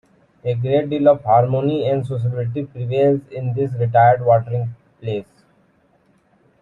A great deal of harmony and sociability prevails in this retired watering place.